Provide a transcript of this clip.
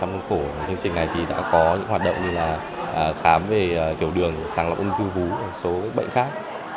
trong khuôn khổ chương trình này thì đã có những hoạt động như là khám về tiểu đường sàng lọc ung thư vú số bệnh khác